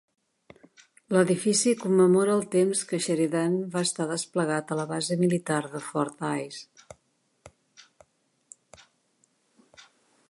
L'edifici commemora el temps que Sheridan va estar desplegat a la base militar de Fort Hays.